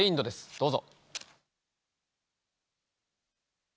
どうぞ。